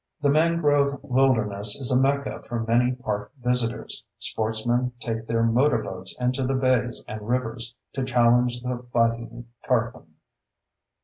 The mangrove wilderness is a mecca for many park visitors. Sportsmen take their motorboats into the bays and rivers to challenge the fighting tarpon.